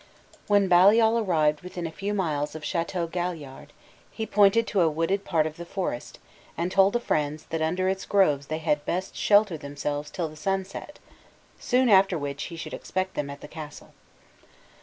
When Baliol arrived within a few miles of Chateau Galliard, he pointed to a wooded part of the forest, and told the friends, that under its groves they had best shelter themselves till the sun set; soon after which he should expect them at the castle.